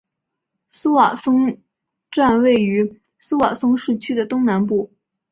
苏瓦松站位于苏瓦松市区的东南部。